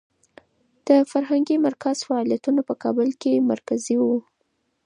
د فرهنګي مرکز فعالیتونه په کابل کې مرکزي و.